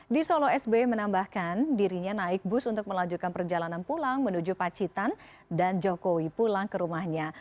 di solo sbi menambahkan dirinya naik bus untuk melanjutkan perjalanan pulang menuju pacitan dan jokowi pulang ke rumahnya